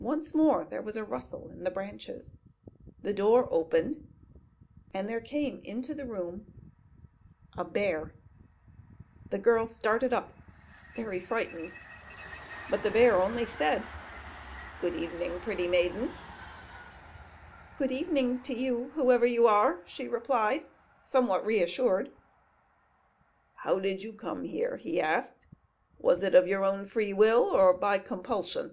Once more there was a rustle in the branches; the door opened, and there came into the room a bear! The girl started up, very frightened; but the bear only said: "Good evening, pretty maiden!" "Good evening to you, whoever you are," she replied, somewhat reassured. "How did you come here?" he asked. "Was it of your own free will, or by compulsion?"